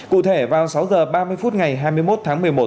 cụ thể vào sáu h ba mươi phút ngày hai mươi một tháng một mươi một